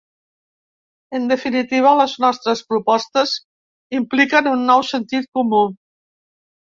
En definitiva, les nostres propostes impliquen un nou sentit comú.